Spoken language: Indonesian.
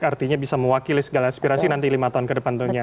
artinya bisa mewakili segala inspirasi nanti lima tahun ke depannya